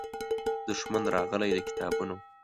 دښمن راغلی د کتابونو